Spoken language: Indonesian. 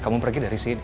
kamu pergi dari sini